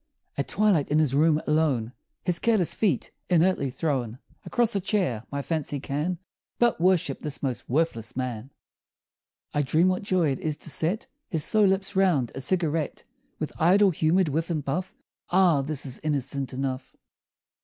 At twilight, in his room, alone, His careless feet inertly thrown Across a chair, my fancy can But worship this most worthless man! I dream what joy it is to set His slow lips round a cigarette, With idle humored whiff and puff Ah! this is innocent enough!